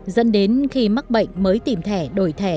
dẫn đến khi mắc bệnh mới tìm thẻ đổi thẻ